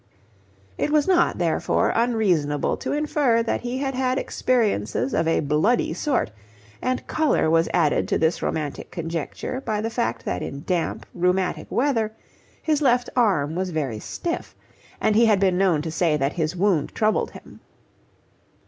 It was not, therefore, unreasonable to infer that he had had experiences of a bloody sort, and colour was added to this romantic conjecture by the fact that in damp, rheumatic weather his left arm was very stiff, and he had been known to say that his wound troubled him.